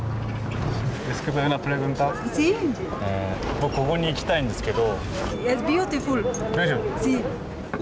僕ここに行きたいんですけど。